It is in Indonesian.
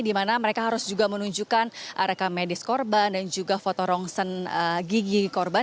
dimana mereka harus juga menunjukkan reka medis korban dan juga foto rongsen gigi korban